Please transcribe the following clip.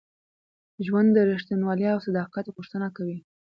ژوند د رښتینولۍ او صداقت غوښتنه کوي.